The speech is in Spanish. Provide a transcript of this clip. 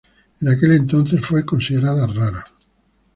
En aquel entonces fue considerada rara.